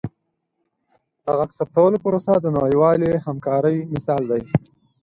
د غږ ثبتولو پروسه د نړیوالې همکارۍ مثال دی.